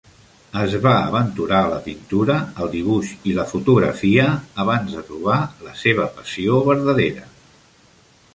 Es va aventurar a la pintura, el dibuix i la fotografia abans de trobar la seva passió verdadera.